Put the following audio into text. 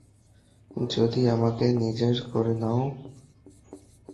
যদি আমাকে নিজের করে নাও।